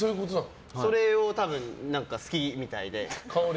それを多分、好きみたいで。